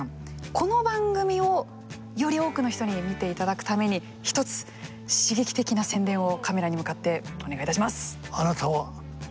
この番組をより多くの人に見ていただくために１つ刺激的な宣伝をカメラに向かってお願いいたします。